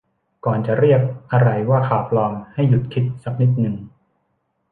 ก่อนจะเรียกอะไรว่า ข่าวปลอม ให้หยุดคิดสักนิดหนึ่ง